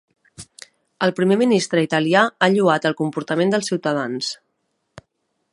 El primer ministre italià ha lloat el comportament dels ciutadans.